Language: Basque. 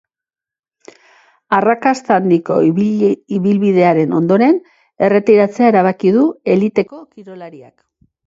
Arrakasta handiko ibilbidearen ondoren, erretiratzea erabaki du eliteko kirolariak.